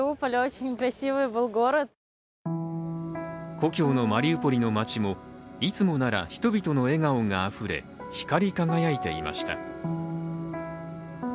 故郷のマリウポリの街もいつもなら人々の笑顔があふれ、光り輝いていました。